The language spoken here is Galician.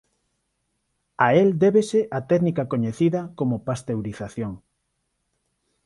A el débese a técnica coñecida como pasteurización.